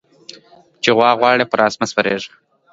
چې غواړي پر واک او سرچینو کنټرول ترلاسه کړي